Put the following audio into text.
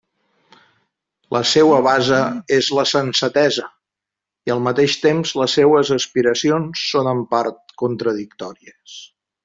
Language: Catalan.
La seua base és la sensatesa i al mateix temps les seues aspiracions són en part contradictòries.